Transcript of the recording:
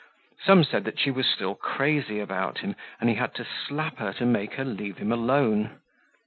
Some said that she was still crazy about him and he had to slap her to make her leave him alone.